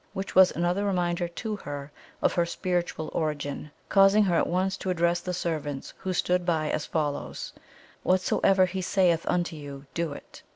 which was another reminder to her of her spiritual origin, causing her at once to address the servants who stood by as follows: 'Whatsoever He saith unto you, do it.'